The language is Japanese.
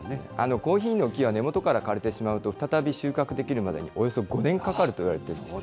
コーヒーの木は根元から枯れてしまうと再び収穫できるまでにおよそ５年かかるといわれているんですね。